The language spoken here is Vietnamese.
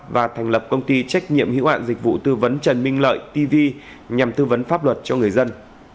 và thành lập công ty trách nhiệm hữu ạn dịch vụ tư vấn trần minh lợi tv nhằm tư vấn pháp luật cho người dân